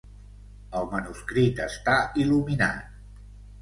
El manuscrit està il·luminat.